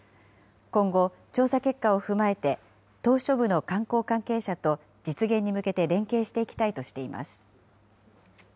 今後、調査結果を踏まえて島しょ部の観光関係者と実現に向けて連携していきたいとしています。